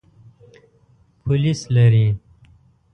پولیس لري.